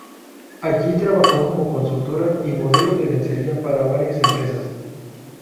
Allí trabajó como consultora y modelo de lencería para varias empresas.